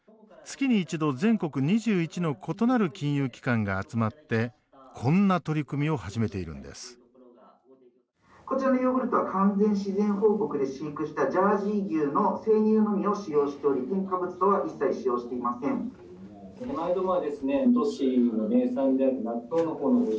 月に一度、全国２１の異なる金融機関が集まってこんな取り組みを始めているんです。